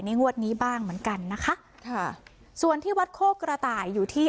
งวดนี้บ้างเหมือนกันนะคะค่ะส่วนที่วัดโคกระต่ายอยู่ที่